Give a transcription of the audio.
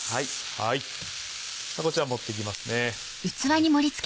こちら盛っていきますね。